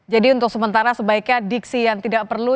untuk sementara sebaiknya diksi yang tidak perlu